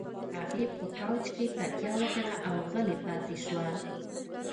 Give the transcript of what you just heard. هغې په کاوچ کې تکيه وکړه او غلې پاتې شوه.